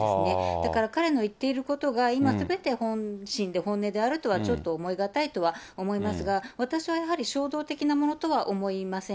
だから彼の言っていることは今すべて本心で、本音であるとはちょっと思い難いとは思いますが、私はやはり、衝動的なものとは思いません。